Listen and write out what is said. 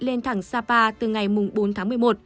lên thẳng sapa từ ngày bốn tháng một mươi một